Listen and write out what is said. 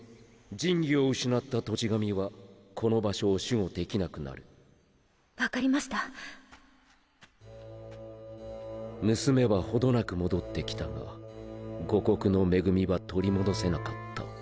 神器を失った土地神はこの場所を守護できなくなるわかりました娘はほどなく戻ってきたが「五穀の恵み」は取り戻せなかった。